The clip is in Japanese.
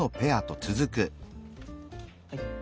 はい。